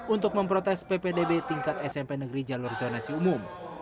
untuk memprotes ppdb tingkat smp negeri jalur zonasi umum